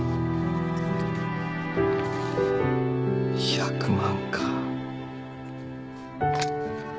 １００万か。